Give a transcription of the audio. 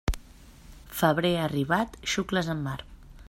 Febrer arribat, xucles en mar.